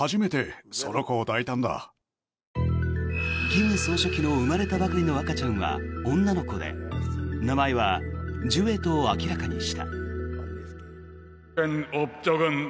金総書記の生まれたばかりの赤ちゃんは女の子で名前はジュエと明らかにした。